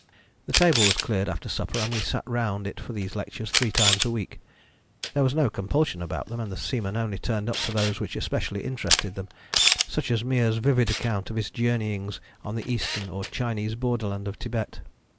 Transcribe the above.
The table was cleared after supper and we sat round it for these lectures three times a week. There was no compulsion about them, and the seamen only turned up for those which especially interested them, such as Meares' vivid account of his journeyings on the Eastern or Chinese borderland of Thibet.